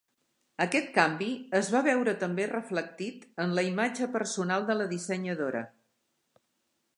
Aquest canvi es va veure també reflectit en la imatge personal de la dissenyadora.